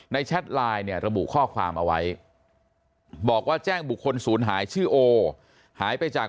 แชทไลน์เนี่ยระบุข้อความเอาไว้บอกว่าแจ้งบุคคลศูนย์หายชื่อโอหายไปจาก